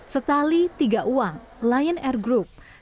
setali tiga uang lion air group